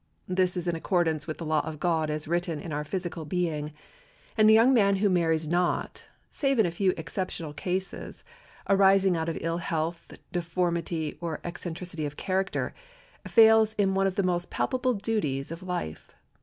This is in accordance with the law of God as written in our physical being, and the young man who marries not, save in a few exceptional cases, arising out of ill health, deformity, or eccentricity of character, fails in one of the most palpable duties of life.